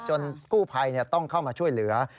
กู้ภัยต้องเข้ามาช่วยเหลือ